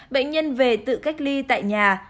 bệnh nhân về tự cách ly tại nhà